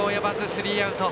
スリーアウト。